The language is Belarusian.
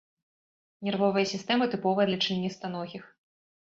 Нервовая сістэма тыповая для членістаногіх.